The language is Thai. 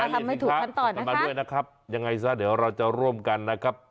และที่สิทธิภาพก็มาด้วยนะครับยังไงซะเดี๋ยวเราจะร่วมกันนะครับ